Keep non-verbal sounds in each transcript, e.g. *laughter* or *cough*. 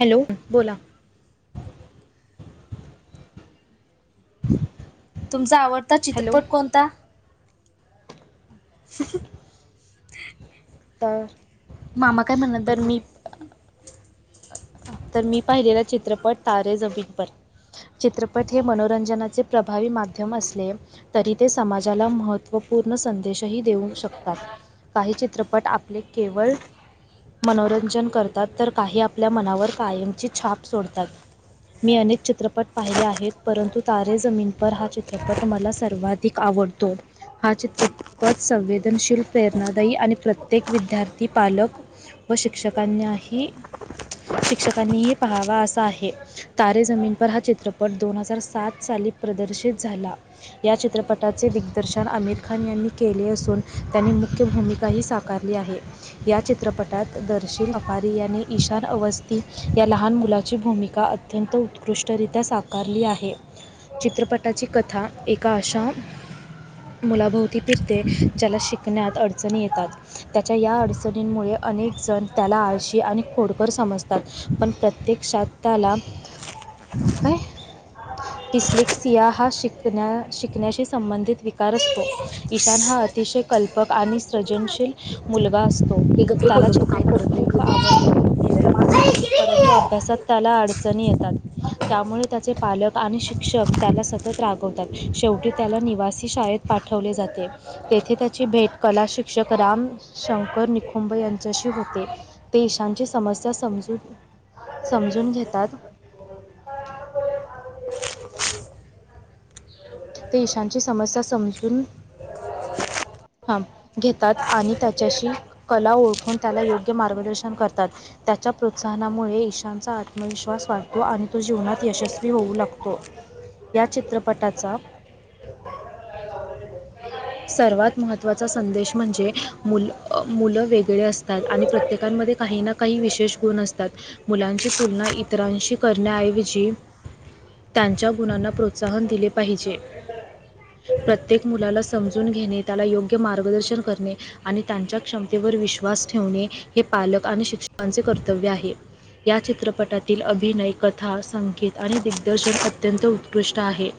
Hello बोला ह *inaudible* तुमचा आवडता चित्रपट कोणता *unintelligible* चार मामा काय म्हणत होते तर मी पाहिलेला चित्रपट तारे जमीनपर चित्रपट हे मनोरंजनाचे प्रभावी माध्यम असले तरी ते समाजाला महत्त्वपूर्ण संदेशही देऊ शकतात काही चित्रपट आपले केवळ मनोरंजन करतात तर काही आपल्या मनावर कायमची छाप सोडतात मी अनेक चित्रपट पाहिले आहेत परंतु तारे जमीनपर हा चित्रपट मला सर्वात तक आवडतो हा चित्रपट संवेदनशील प्रेरणादायी आणि प्रत्येक विद्यार्थी पालक व शिक्षकांनाही शिक्षकांनीही पहावा असा आहे तारे जमीन पर हा चित्रपट दोन हजार सात साली प्रदर्शित झाला या चित्रपटाचे दिग्दर्शन आमिर खान यांनी केले असून त्यांनी मुख्य भूमिकाही साप आहे या चित्रपटात दर्शन अपारी यांनी इ अवस्थी या लहान मुलाची भूमिका अत्यंत उत्कृष्टरित्या साकारली आहे चित्रपटाची कथा एका अशा मुलाभोवती फिरते ज्याला शिकण्यात अडचणी येतात त्याच्या या अडचणींमुळे अनेक जण त्याला आळशी आणि खोडकर समजतात पण प्रत्यक्षात त्याला काय ह टिस्लिकसिया हा शिकण्या शिकण्याशी संबंधित विकार असतो ईशान हा अतिशय कल्पक आणि सशील मुलगा असतो त्याला चित्रकला खूप ह *unintelligible* आवडते एक *unintelligible* परंतु अभ्यासात त्याला अडचणी येतात, त्यामुळे त्याचे पालक आणि शिक्षक त्याला सतत रागवतात शेवटी त्याला निवासी शाळेत पाठवले जाते. तेथे त्याची भेट कला शिक्षक राम शंकर निखुंब यांच्याशी होते देशांची समस्या समजून समजून घेतात देशांची समस्या समजून ह घेतात आणि त्याच्याशी कला ओळखून त्याला योग्य मार्गदर्शन करतात त्याच्या प्रोत्साहनामुळे ईशांचा आत्मविश्वास वाढतो आणि तो जीवनात यशस्वी होऊ लागतो या चित्रपटाचा सर्वात महत्त्वाचा संदेश म्हणजे मुल मुलं वेगळे असतात आणि प्रत्येकांमध्ये काही ना काही विशेष गुण असतात मुलांची तुलना इतरांशी करण्याऐवजी त्यांच्या गुणांना प्रोत्साहन दिले पाहिजे प्रत्येक मुलाला सम अून घेणे त्याला योग्य मार्गदर्शन करणे आणि त्यांच्या क्षमतेवर विश्वास ठेवणे हे पालक आणि शिक्षकांचे कर्तव्य आहे या चित्रपटातील अभिनय कथा संगीत आणि दिग्दर्शन अत्यंत उत्कृष्ट आहे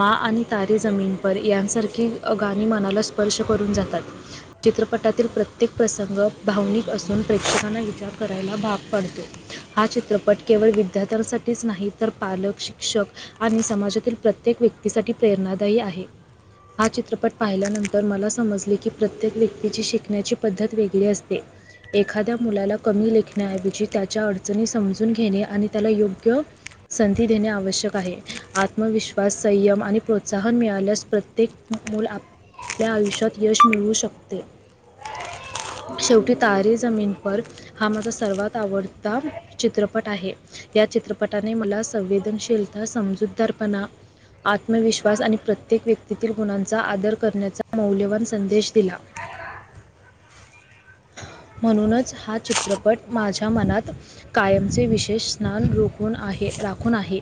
मा आणि तारे जमी पर यांसारखी गाणी मनाला स्पर्श करून जातात चित्रपटातील प्रत्येक प्रसंग भावनिक असून प्रेक्षकांना विचार करायला भाग पाडतो हा चित्रपट केवळ विद्यार्थ्यांसाठीच नाही तर पालक, शिक्षक आणि समाजातील प्रत्येक व्यक्तीसाठी प्रेरणादायी आहे. हा चित्रपट पाहिल्यानंतर मला समजले की, प्रत्येक व्यक्तीची शिकण्याची पद्धत वेगळी असते. एखाद्या मुलाला कमी लेखण्याऐवजी त्याच्या अडचणी समजून घेणे आणि त्याला योग्य संधी देणे आवश्यक आहे. आत्मविश्वास संयम आणि प्रोत्साहन मिळाल्यास प्रत्येक मला आपल्या आयुष्यात यश मिळू शकते. शेवटी तारे जमी पर हा माझा सर्वात आवडता चित्रपट आहे. या चित्रपटाने मला संवेदनशीलता समजूतदारपणा आत्मविश्वास आणि प्रत्येक व्यक्तीतील गुणांचा आदर करण्याचा मौल्यवान संदेश दिला. म्हणूनच हा चित्रपट माझ्या मनात कायमचे विशेष स्नान रोखून आहे राखून आहे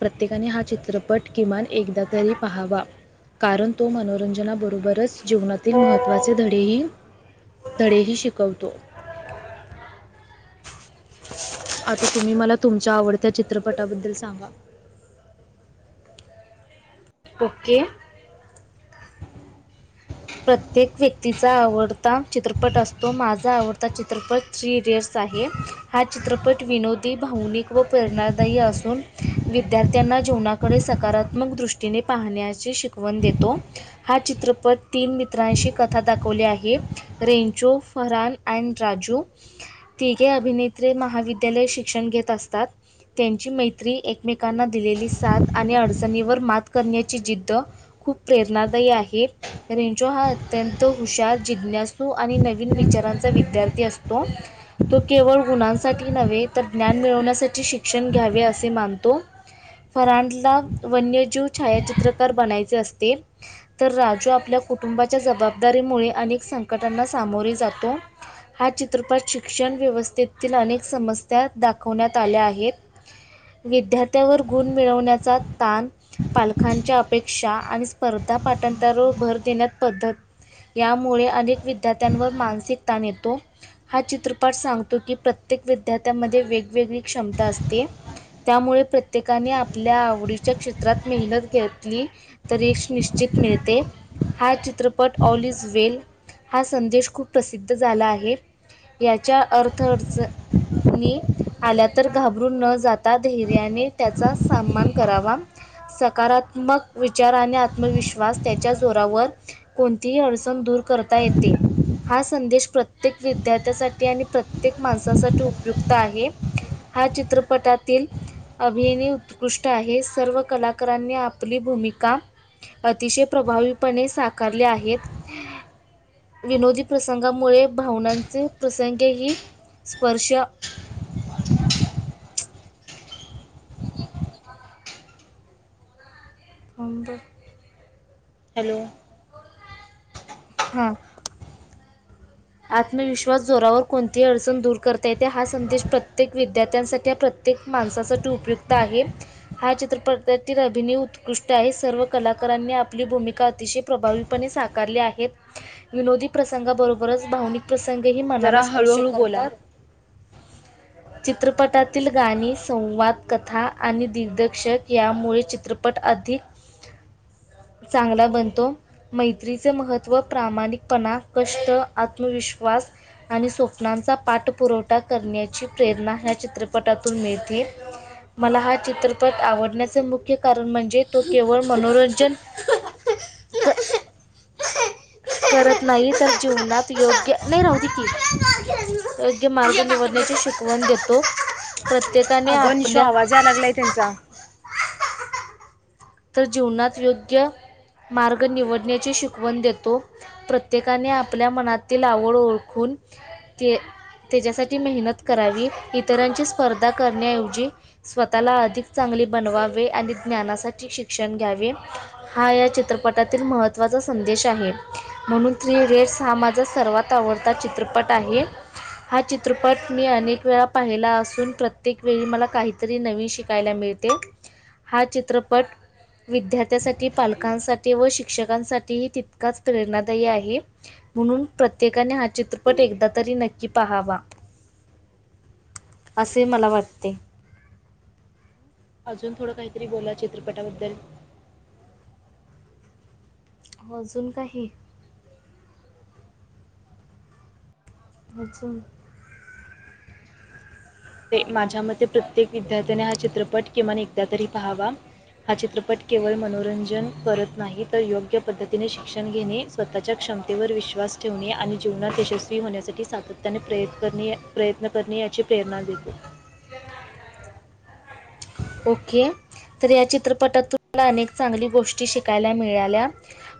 प्रत्येकाने हा चित्रपट किमान एकदा तरी पाहावा कारण तो म्हन मनोरंजना बरोबरच जीवनातील महत्त्वाचे धडेही धडेही शिकवतो. आता तुम्ही मला तुमच्या आवडत्या चित्रपटाबद्दल सांगा ओके प्रत्येक व्यक्तीचा आवडता चित्रपट असतो माझा आवडता चित्रपट थ्री इडियट्स आहे. हा चित्रपट विनोदी, भावनिक व प्रेरणादायी असून विद्यार्थ्यांना जीवनाकडे सकारात्मक दृष्टीने पाहण्याची शिकवण देतो. हा चित्रपट तीन मित्रांशी कथा दाखवली आहे. रेंचो फरान अँड राजू तिघे अभिनेत्री महाविद्यालय शिक्षण घेत असतात. त्यांची मैत्री एकमेकांना दिलेली साथ आणि अडचणीवर मात करण्याची जिद्द खूप प्रेरणादायी आहे. रेंजो हा अत्यंत हुशार जिज्ञासू आणि नवीन विचारांचा विद्यार्थी असतो. तो केवळ गुणांसाठी नव्हे तर ज्ञान मिळवण्यासाठी शिक्षण घ्यावे असे मानतो. फरांडला वन्यजीव छायाचित्रकार बनायचे असते तर राजू आप आपल्या कुटुंबाच्या जबाबदारीमुळे अनेक संकटांना सामोरे जातो. हा चित्रपट शिक्षण व्यवस्थेतील अनेक समस्या दाखवण्यात आल्या आहेत. विद्यार्थ्यावर गुण मिळवण्याचा ताण पालकांच्या अपेक्षा आणि स्पर्धा पाठांतरा भर देण्यात पद्धत यामुळे अनेक विद्यार्थ्यांवर मानसिक ताण येतो. हा चित्रपट सांगतो की प्रत्येक विद्यार्थ्यांमध्ये वेगवेगळी क्षमता असते *inaudible* त्यामुळे प्रत्येकाने आपल्या आवडीच्या क्षेत्रात मेहनत घेतली. तररी् *inaudible* ष निश्चित मिळते हा चित्रपट ऑल इज वेल हा संदेश खूप प्रसिद्ध झाला आहे. याच्या अर्थअडचनी आल्या तर घाबरून न जाता धैर्याने त्याचा सन्मान करावा. सकारात्मक विचार आणि आत्मविश्वास त्याच्याच जोरावर कोणतीही अडचण दूर करता येते. हा संदेश प्रत्येक विद्यार्थ्यासाठी आणि प्रत्येक माणसासाठी उपयुक्त आहे. हा चित्रपटातील अभियनी उत्कृष्ट आहे सर्व कलाकारांनी आपली भूमिका अतिशय प्रभावीपणे साकारले आहेत. विनोदी प्रसंगामुळे भावनांचे प्रसंगही स्पर्श ब *inaudible* हॅलो हा आत्मविश्वास जोरावर कोणती अडचण दूर करता येते हा संदेश प्रत्येक विद्यार्थ्यांसाठी प्रत्येक माणसासाठी उपयुक्त आहे. हा चित्रपटातील अभिनय उत्कृष्ट आहे सर्व कलाकारांनी आपली भूमिका अतिशय प्रभावी पणे साकारले आहेत विनोदी प्रसंगाबरोबर बरच भावनिक प्रसंगही जरा मनाला स्पर्श हळूहळू करतात. *unintelligible* चित्रपटातील गाणी संवादकथा आणि दिग्दर्शक यामुळे चित्रपट अधिक ह *unintelligible* चांगला बनतो मैत्रीचे महत्त्व प्रामाणिकपणा कष्ट आत्मविश्वास आणि स्वप्नांचा पाठपुरवठा करण्याची प्रेरणा ह्या चित्रपटातून मिळते. मला हा चित्रपट आवडण्याचं मुख्य कारण म्हणजे तो केवळ मनोरंजन *unintelligible* *unintelligible* करत नाही तर जीवनात योग्य नाही राहते की योग्य माार्ग निवडण्याची शिकवण देतो. प्रत्येकाने अगो निशो आपल्या आवाजयलागलाय त्यांचा तर जीवनात योग्य मार्ग निवडण्याची शिकवण देतो. प्रत्येकाने आपल्या मनाततील आवड ओळखून ते त्याच्यासाठी मेहनत करावी इतरांची स्पर्धा करण्याऐवजी स्वतःला अधिक चांगली बनवावे आणि ज्ञानासाठी शिक्षण घ्यावे. हा या चित्रपटातील महत्त्वाचा संदेश आहे. म्हणून थ्री इडियट्स हा माझा सर्वात आवडता चित्रपट आहे. हा चित्रपट मी अनेक वेळा पाहिला असून प्रत्येक वेळी मला काहीतरी नवीन शिकायला मिळते. हा चित्रपट विद्यार्थ्यासाठी पालकांसाठी व शिक्षकांसाठी ह तितकाच प्रेरणादायी आहे. म्हणून प्रत्येकाने हा चित्रपट एकदा तरी नक्की पाहावा असे मला वाटते. अजून थोडं काहीतरी बोला चित्रपटाबद्दल अजून काही अजून ते माझ्या मते प्रत्येक विद्यार्थ्याने हा चित्रपट किमान एकदा तरी पहावा हा चित्रपट केवळ मनोरंजन करत नाही तर योग्य पद्धतीने शिक्षण घेणे स्वतःच्या क्षमतेवर विश्वास ठेवणे आणि जीवनात यशस्वी होण्यासाठी सातत्याने प्रयत्न करणे प्रयत्न करणे याची प्रेरणा देतो त *unintelligible* ओके तर या चित्रपटात तुम्हाला अनेक चांगली गोष्टी शिकायला मिळाल्या.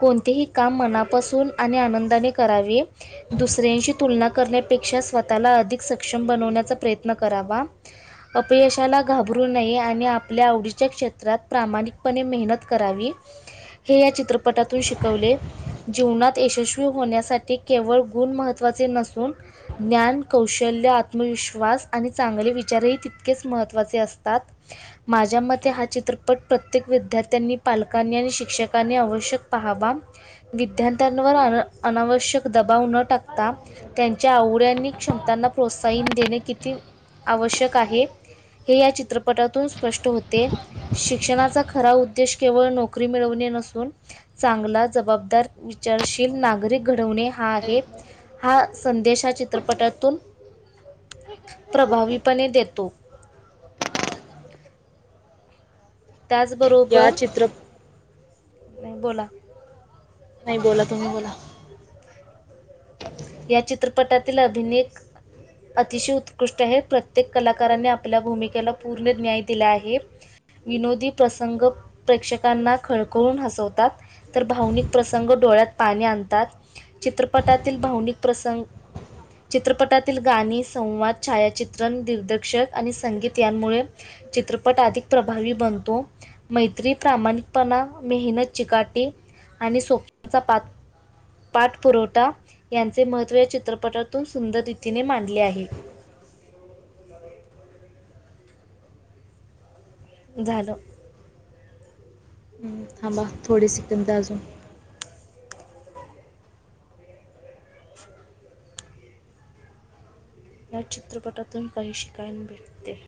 कोणतेही काम मनापासून आणि आनंदाने करावे. दुसऱ्यांशी तुलना करण्यापेक्षा स्वतःला अधिक सक्षम बनवण्याचा प्रयत्न करावा. अपयशाला घाबरू नये. आणि आपल्या आवडीच्या क्षेत्रात प्रामाणिकपणे मेहनत करावी. हे या चित्रपटातून शिकवले. जीवनात यशस्वी होण्यासाठी केवळ गुण महत्त्वाचे नसून ज्ञान, कौशल्य, आत्मविश्वास आणि चांगले विचारही तितकेच महत्त्वाचे असतात. माझ्या मते हा चित्रपट प्रत्येक विद्यार्थ्यांनी, पालकांनी आणि शिक्षकांनी आवश्यक पहावा विद्यार्थ्यांवर अ अनावश्यक दबाव न टाकता त्यांच्या आवड्यांनी क्षमतांना प्रोत्साहन देणे किती आवश्यक आहे. हे या चित्रप पटातून स्पष्ट होते शिक्षणाचा खरा उद्देश केवळ नोकरी मिळवणे नसून चांगला जबाबदार, विचारशील, नागरिक घडवणे हा आहे. हा संदेश हा चित्रपटातून प्रभावीपणे देतो. *unintelligible* त्याचबरोबर या चित्र *unintelligible* बोला नाही बोला तुम्ही बोला या चित्रपटातील अभिनेक अतिशय उत्कृष्ट आहे प्रत्येक कलाकारांने आपल्या भूमिकेला पूर्ण न्याय दिला आहे. विनोदी प्रसंग प्रेक्षकांना खळकळून हसवतात. तर भावनिक प्रसंग डोळ्यात पाणी आणतात चित्रपटातील भावनिक प्रसंग चित्रपटातील गाणी, संवाद, छायाचित्रण, दिग्दर्शक आणि संगीत यांमुळे चित्रपट अधिक प्रभावी बनतो. मैत्री, प्रामाणिकपणा, मेहनत, चिकाटी आणि स्वप्नाचा पात पाठपुरवठा यांचे महत्त्व या चित्रपटातून सुंदर रीतीने मांडले आहे. झालं थांबा थोडे सेकंद अजून, या चित्रपटातून काही शिकायला भेटते.